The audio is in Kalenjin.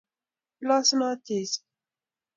Iloosunot Jeiso.